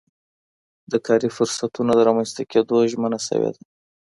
د کاري فرصتونو د رامنځته کيدو ژمنه سوي ده.